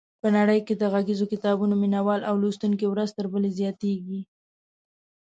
په نړۍ کې د غږیزو کتابونو مینوال او لوستونکي ورځ تر بلې زیاتېږي.